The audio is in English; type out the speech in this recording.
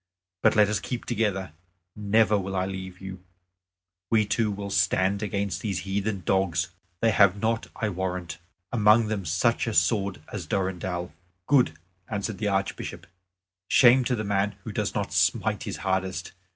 But let us keep together; never will I leave you; we two will stand against these heathen dogs. They have not, I warrant, among them such a sword as Durendal." "Good," answered the Archbishop. "Shame to the man who does not smite his hardest.